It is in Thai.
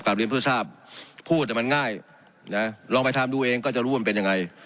กลับเรียนผู้ชาติพูดมันง่ายนะลองไปทำดูเองก็จะรู้มันเป็นยังไง